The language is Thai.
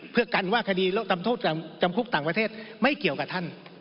เพื่อกันว่าคดีทำโทษจำคุกต่างประเทศไม่เกี่ยวกับท่าน